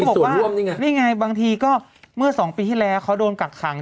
มีส่วนร่วมนี่ไงนี่ไงบางทีก็เมื่อสองปีที่แล้วเขาโดนกักขัง